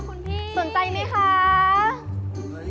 มีสินค้าตัวอย่างแจกฟรี